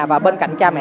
và bên cạnh đó